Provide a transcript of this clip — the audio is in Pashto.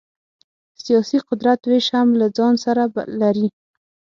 سیاسي قدرت وېش هم له ځان سره لري.